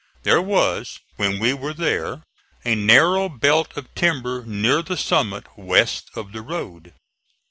There was, when we were there, a narrow belt of timber near the summit west of the road.